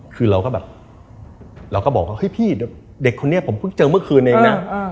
คือเราก็แบบเราก็บอกว่าเฮ้ยพี่เด็กคนนี้ผมเพิ่งเจอเมื่อคืนเองนะ